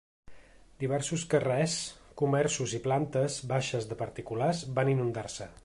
Diversos carrers, comerços i plantes baixes de particulars van inundar-se.